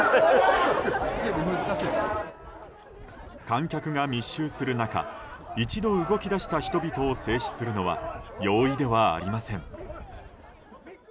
観客が密集する中一度動き出した人々を制止するのは容易ではありません。